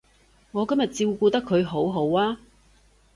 我今日照顧得佢好好啊